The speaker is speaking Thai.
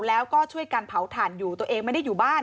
แล้วก็ช่วยกันเผาถ่านอยู่ตัวเองไม่ได้อยู่บ้าน